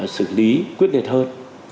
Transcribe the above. xử lý quyết liệt hơn